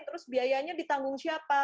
terus biayanya ditanggung siapa